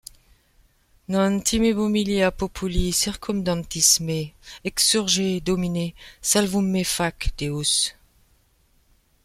Non timebo millia populi circumdantis me : exsurge, Domine ; salvum me fac, Deus !